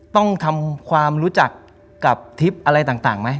ต้องทำความรู้จักกับทริปอะไรต่างไหม